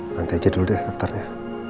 nanti aja dulu deh daftarnya